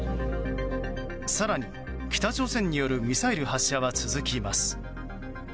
更に北朝鮮によるミサイル発射は続きます。